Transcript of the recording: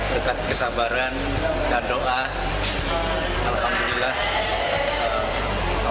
berkat kesabaran dan doa